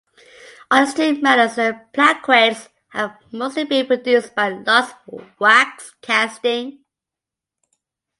Artistic medals and plaquettes have mostly been produced by lost wax casting.